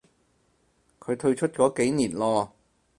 佢退出咗幾年咯